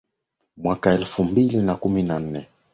mwaka elfu mbili na kumi na nne